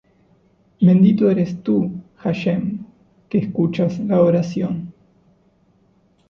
Bendito eres Tú, Hashem, que escuchas la oración.